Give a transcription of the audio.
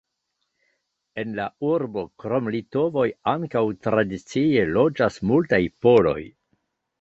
En la urbo krom litovoj ankaŭ tradicie loĝas multaj poloj.